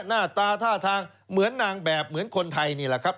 หน้าตาท่าทางเหมือนนางแบบเหมือนคนไทยนี่แหละครับ